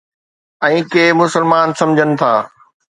۽ ڪي مسلمان سمجھن ٿا